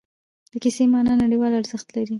د کیسې معنا نړیوال ارزښت لري.